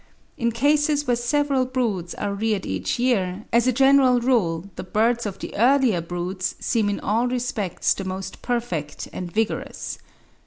In cases where several broods are reared each year, as a general rule the birds of the earlier broods seem in all respects the most perfect and vigorous.")